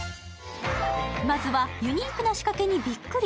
まずはユニークな仕掛けにびっくり。